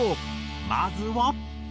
まずは。